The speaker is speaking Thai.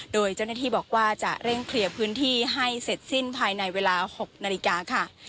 โดยเจ้าหน้าที่บอกว่าจะเร่งเคลียร์พื้นที่ให้เสร็จสิ้นภายในเวลา๖นาฬิกาค่ะ